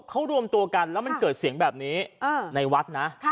เขารวมตัวกันแล้วมันเกิดเสียงแบบนี้ในวัดนะ